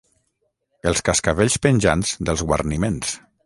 Els cascavells penjants dels guarniments.